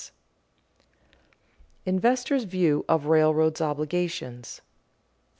[Sidenote: Investors' view of railroads' obligations] 3.